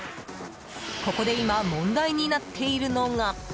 ここで今問題になっているのが。